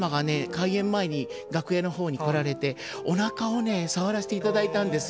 開演前に楽屋の方に来られておなかを触らせて頂いたんですよ。